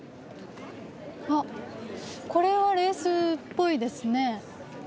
あっこれはレースっぽいですね。